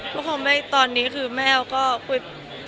เพราะตอนนี้คือแม่เราก็คุย